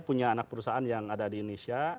punya anak perusahaan yang ada di indonesia